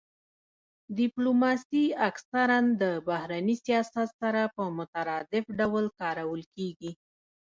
ډیپلوماسي اکثرا د بهرني سیاست سره په مترادف ډول کارول کیږي